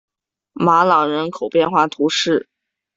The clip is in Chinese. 马朗人口变化图示